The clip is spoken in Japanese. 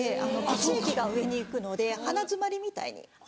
血液が上にいくので鼻詰まりみたいに。